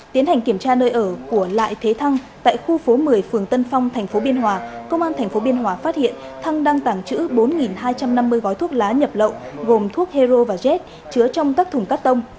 tiến hành kiểm tra nơi ở của lại thế thăng tại khu phố một mươi phường tân phong tp biên hòa công an tp biên hòa phát hiện thăng đang tảng chữ bốn hai trăm năm mươi gói thuốc lá nhập lậu gồm thuốc hero và jet chứa trong các thùng cắt tông